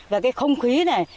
và cái không khí này